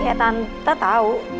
ya tante tau